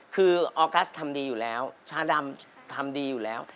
คือออกัสทำดีอยู่แล้วชาดำทำดีอยู่แล้ว